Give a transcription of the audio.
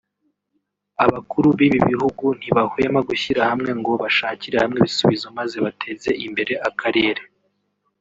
abakuru b’ibi bihugu ntibahwema gushyira hamwe ngo bashakire hamwe ibisubizo maze bateze imbere akarere